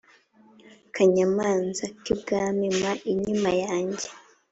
kanyamanza k’ibwami mpa inkima yanjye.’